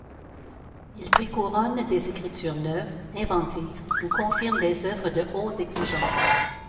Il prix couronne des écritures neuves, inventives, ou confirme des œuvres de haute exigence.